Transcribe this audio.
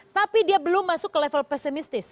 tapi dia belum masuk ke level pesimistis